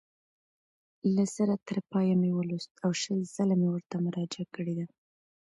له سره تر پایه مې ولوست او شل ځله مې ورته مراجعه کړې ده.